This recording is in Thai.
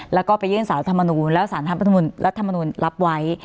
แล้วก็ไปยื่นสารธรรมนูลแล้วสารทำรัฐมนุนรับไว้